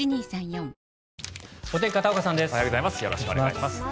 よろしくお願いします。